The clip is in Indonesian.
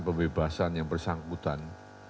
kebebasan yang bersangkutan